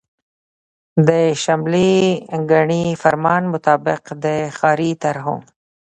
د شلمي ګڼي فرمان مطابق د ښاري طرحو